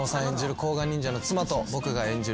甲賀忍者の妻と僕が演じる